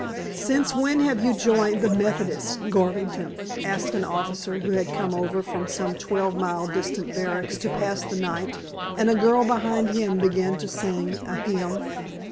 "Since when have you joined the Methodists, Garvington?" asked an officer who had come over from some twelve mile distant barracks to pass the night, and a girl behind him began to sing a hymn.